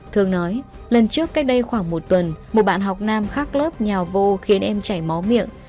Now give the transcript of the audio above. thường nói lần trước cách đây khoảng một tuần một bạn học nam khác lớp nhào vô khiến em chảy máu miệng